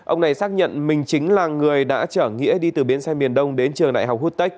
ông này xác nhận mình chính là người đã chở nghĩa đi từ biến xe miền đông đến trường đại học hút tích